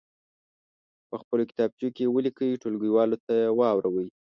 په خپلو کتابچو کې یې ولیکئ ټولګیوالو ته واوروئ.